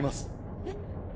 えっ？